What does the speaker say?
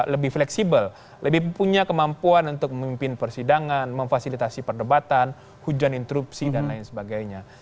lebih fleksibel lebih punya kemampuan untuk memimpin persidangan memfasilitasi perdebatan hujan interupsi dan lain sebagainya